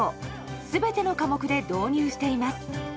全ての科目で導入しています。